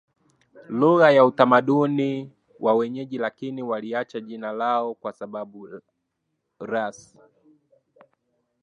lugha na utamaduni wa wenyeji lakini waliacha jina lao kwa sababu Rus